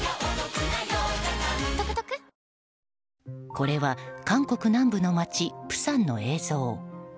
これは韓国南部の町釜山の映像。